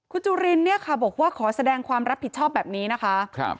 คุณจุรินเนี่ยค่ะบอกว่าขอแสดงความรับผิดชอบแบบนี้นะคะ